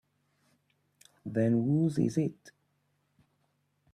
Then whose is it?